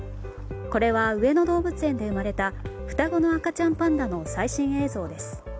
これは上野動物園で生まれた双子の赤ちゃんパンダの最新映像です。